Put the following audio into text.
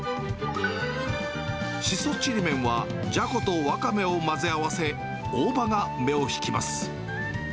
しそちりめんは、じゃことワカメを混ぜ合わせ、大葉が目を引きます。